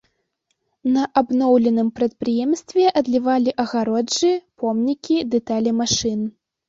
На абноўленым прадпрыемстве адлівалі агароджы, помнікі, дэталі машын.